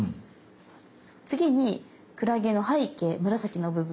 次にクラゲの背景紫の部分。